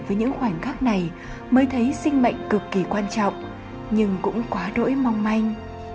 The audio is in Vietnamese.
đối diện với những khoảnh khắc này mới thấy sinh mệnh cực kỳ quan trọng nhưng cũng quá đỗi mong manh